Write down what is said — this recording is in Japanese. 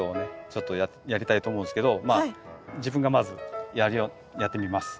ちょっとやりたいと思うんですけど自分がまずやってみます。